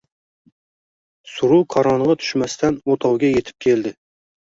Suruv qorong‘i tushmasdan o‘tovga yetib keldi.